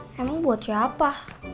emang buat siapa